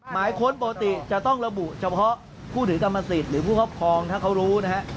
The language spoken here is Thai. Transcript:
หมายค้นปกติจะต้องระบุเฉพาะผู้ถือกรรมสิทธิ์หรือผู้ครอบครองถ้าเขารู้นะฮะ